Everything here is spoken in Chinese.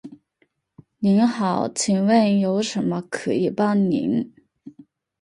您好，请问有什么可以帮您？